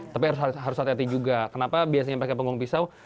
tapi harus hati hati juga kenapa biasanya pakai punggung pisau